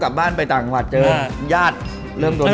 ข้อมาม่าด้วยทั้งสองพูดโรด้วย